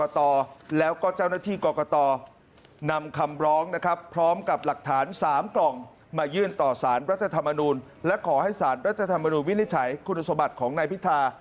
สารรัฐธรรมนูญและขอให้สารรัฐธรรมนูญวินิจฉัยคุณสมบัติของนายพิทา